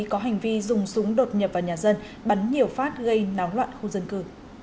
có hành vi dùng súng đột nhập vào nhà dân bắn nhiều phát gây náo loạn khu dân cư